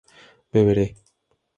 beberé